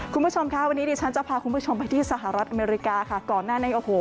คุณผู้ชมค่ะวันนี้ดิฉันจะพาคุณผู้ชมไปที่สหรัฐอเมริกาค่ะ